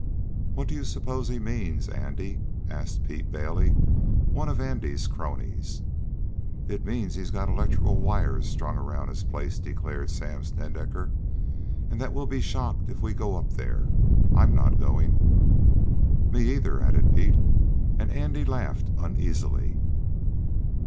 "What do you suppose he means, Andy?" asked Pete Bailey, one of Andy's cronies. "It means he's got electrical wires strung around his place," declared Sam Snedecker, "and that we'll be shocked if we go up there. I'm not going!" "Me, either," added Pete, and Andy laughed uneasily.